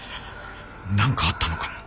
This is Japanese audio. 何かあったのかも。